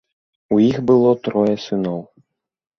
У іх было трое сыноў.